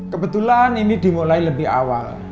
kebetulan ini dimulai lebih awal